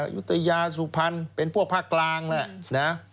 ยุธยาสุพรรณเป็นพวกภาคกลางแหละนะ